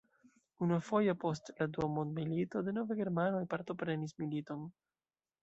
Unuafoje post la Dua mondmilito, denove germanoj partoprenis militon.